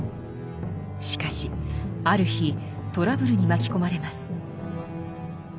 しかしある日トラブルに巻き込まれます。